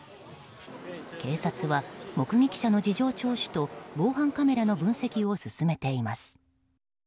警察は、目撃者の事情聴取と防犯カメラの分析を進めています。